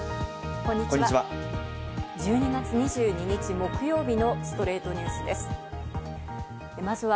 こんにちは。